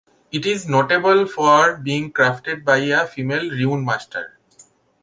It is notable for being crafted by a female runemaster.